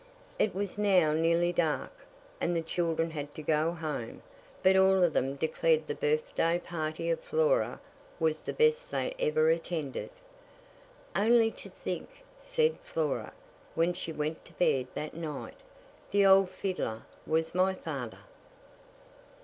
It was now nearly dark, and the children had to go home; but all of them declared the birthday party of Flora was the best they ever attended. "Only to think," said Flora, when she went to bed that night, "the old fiddler was my father!"